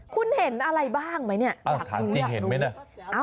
คุณเห็นอะไรบ้างไหมเนี่ยจริงเห็นไหมน่ะ